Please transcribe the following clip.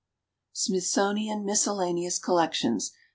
Smithsonian Miscellaneous Collections, No.